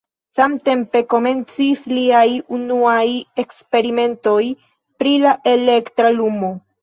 Samtempe komencis liaj unuaj eksperimentoj pri la elektra lumo.